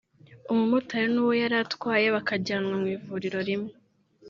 umumotari n’uwo yari atwaye bakajyanwa mu ivuriro rimwe